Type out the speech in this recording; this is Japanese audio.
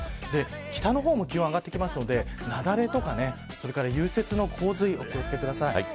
北の方も気温が上がってくるので雪崩とか融雪の洪水にお気を付けください。